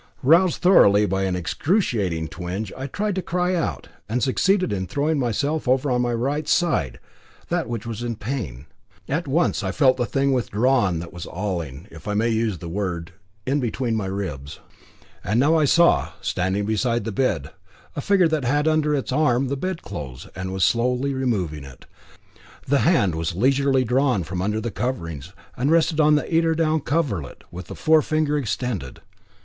Roused thoroughly by an excruciating twinge, I tried to cry out, and succeeded in throwing myself over on my right side, that which was in pain. At once I felt the thing withdrawn that was awling if I may use the word in between my ribs. And now I saw, standing beside the bed, a figure that had its arm under the bedclothes, and was slowly removing it. The hand was leisurely drawn from under the coverings and rested on the eider down coverlet, with the forefinger extended.